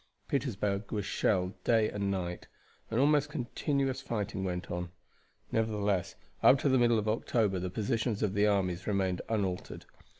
Petersburg was shelled day and night, and almost continuous fighting went on. Nevertheless, up to the middle of October the positions of the armies remained unaltered.